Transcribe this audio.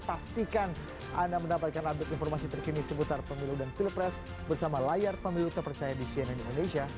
pastikan anda mendapatkan update informasi terkini seputar pemilu dan pilpres bersama layar pemilu terpercaya di cnn indonesia